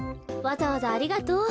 わざわざありがとう。